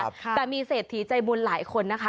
ครับครับแต่มีเศษฐีใจมุนหลายคนนะคะ